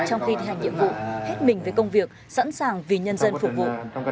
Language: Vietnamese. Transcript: trong khi thi hành nhiệm vụ hết mình với công việc sẵn sàng vì nhân dân phục vụ